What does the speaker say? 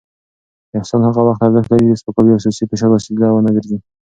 احسان هغه وخت ارزښت لري چې د سپکاوي او سياسي فشار وسیله ونه ګرځي.